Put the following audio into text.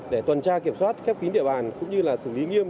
để tuần tra kiểm soát khép kín địa bàn cũng như là xử lý nghiêm